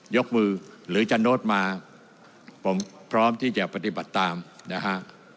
ยกมือหรือจะโน้ตมาผมพร้อมที่จะปฏิบัติตามนะฮะ